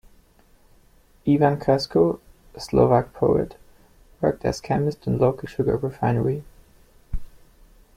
Ivan Krasko, a Slovak poet, worked as chemist in local sugar refinery.